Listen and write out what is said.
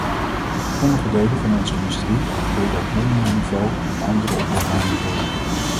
Sommige delen van onze industrie opereren op mondiaal niveau en andere op lokaal niveau.